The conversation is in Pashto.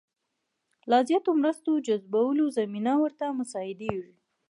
لا زیاتو مرستو جذبولو زمینه ورته مساعدېږي.